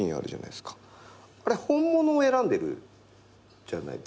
あれ本物を選んでるじゃないですか。